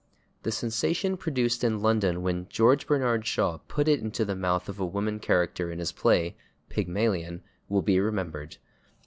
The sensation produced in London when George Bernard Shaw put it into the mouth of a woman character in his play, "Pygmalion," will be remembered.